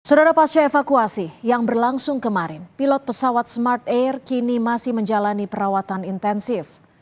sudah ada pasca evakuasi yang berlangsung kemarin pilot pesawat smart air kini masih menjalani perawatan intensif